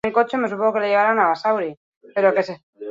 Kondenatuak kanporatze aginduaren kontrako helegitea aurkeztu zuen.